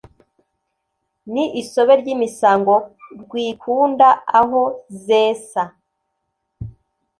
Ni isobe ry' imisango rwikunda aho zesa